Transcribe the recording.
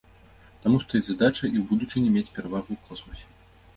Таму стаіць задача і ў будучыні мець перавагу ў космасе.